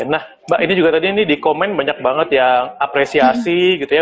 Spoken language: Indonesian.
nah mbak ini juga tadi ini di komen banyak banget yang apresiasi gitu ya